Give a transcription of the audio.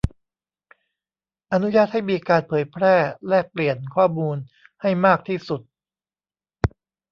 อนุญาตให้มีการเผยแพร่แลกเปลี่ยนข้อมูลให้มากที่สุด